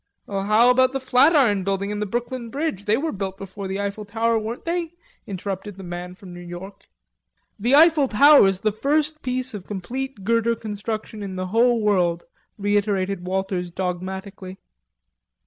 "How about the Flatiron Building and Brooklyn Bridge? They were built before the Eiffel Tower, weren't they?" interrupted the man from New York. "The Eiffel Tower's the first piece of complete girder construction in the whole world," reiterated Walters dogmatically.